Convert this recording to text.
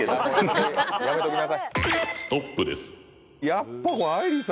やっぱ。